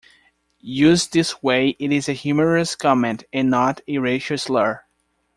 Used this way it is a humorous comment and not a racial slur.